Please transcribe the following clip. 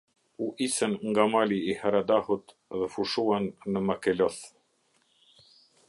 U isën nga mali i Haradahut dhe fushuan në Makeloth.